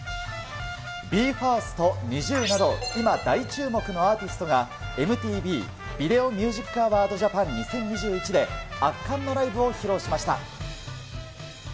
ＢＥ：ＦＩＲＳＴ、ＮｉｚｉＵなど、今大注目のアーティストが、ＭＴＶビデオミュージックアワードジャパン２０２１で、圧巻のライブを披露しました。